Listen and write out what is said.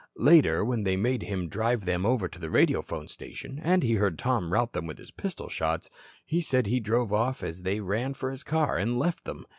Later, when they made him drive them over to the radiophone station and he heard Tom rout them with his pistol shots, he said he drove off as they ran for his car and left them.